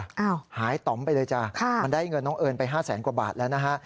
อ้าวหายต่อมไปเลยจ้ะค่ะมันได้เงินน้องเอิญไปห้าแสนกว่าบาทแล้วนะฮะ